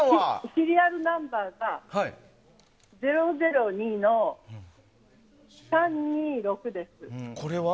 シリアルナンバーが００２の３２６です。